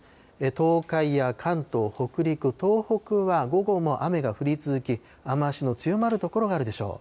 東海や関東、北陸、東北は午後も雨が降り続き、雨足の強まる所があるでしょう。